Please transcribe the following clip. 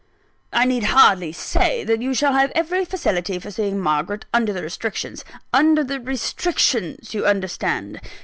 I need hardly say that you shall have every facility for seeing Margaret, under the restrictions under the restrictions, you understand.